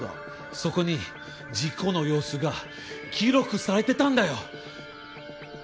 そこに事故の様子が記録されてたんだよ。